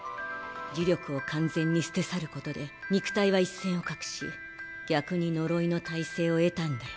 呪力を完全に捨て去ることで肉体は一線を画し逆に呪いの耐性を得たんだよ